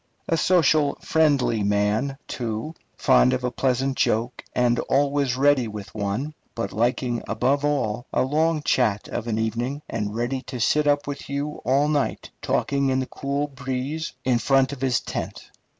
A social, friendly man, too, fond of a pleasant joke and also ready with one; but liking above all a long chat of an evening, and ready to sit up with you all night, talking in the cool breeze in front of his tent.